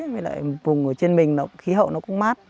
với lại vùng ở trên mình nó khí hậu nó cũng mát